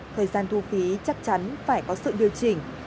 thời gian thu phí chắc chắn phải có sự điều chỉnh